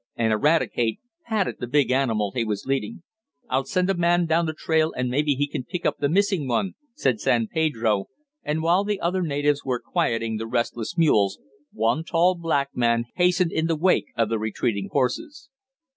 and Eradicate patted the big animal he was leading. "I'll send a man down the trail, and maybe he can pick up the missing one," said San Pedro, and while the other natives were quieting the restless mules, one tall black man hastened in the wake of the retreating horses.